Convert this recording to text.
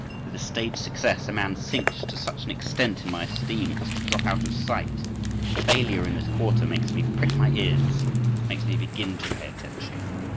With a stage success a man sinks to such an extent in my esteem as to drop out of sight; failure in this quarter makes me prick my ears, makes me begin to pay attention.